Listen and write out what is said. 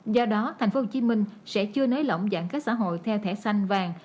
do đó tp hcm sẽ chưa nới lỏng giãn cách xã hội theo thẻ xanh vàng